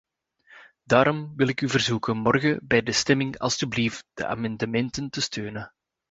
Daarom wil ik u verzoeken morgen bij de stemming alstublieft de amendementen te steunen.